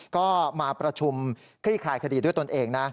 ก็มาประชุมคลี่คลายคดีด้วยตนเองนะ